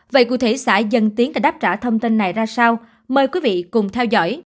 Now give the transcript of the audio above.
vậy cụ thể xã dân tiến đã đáp trả thông tin này ra sao mời quý vị cùng theo dõi